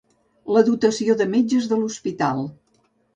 La dotació de metges de l'hospital.